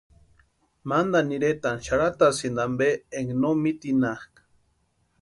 Mantani iretani xarhatasïnti ampe énka no mitinhakʼa.